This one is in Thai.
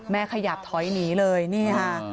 ขยับถอยหนีเลยนี่ค่ะ